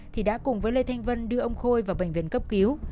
thì đã cùng với lê thanh vân đưa ông khôi vào bệnh viện cấp cứu